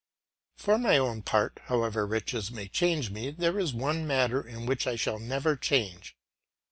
For my own part, however riches may change me, there is one matter in which I shall never change.